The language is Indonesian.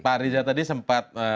pak riza tadi sempat